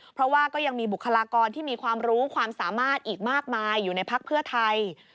เพราะว่าก็ยังมีบุคลากรที่มีความรู้ความสามารถอีกมากมายอยู่ในพักเพื่อไทย